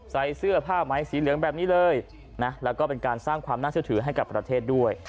ใส่เสื้อผ้าไหมสีเหลืองแบบนี้เลยนะแล้วก็เป็นการสร้างความน่าเชื่อถือให้กับประเทศด้วย